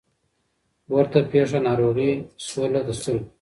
ورته پېښه ناروغي سوله د سترګو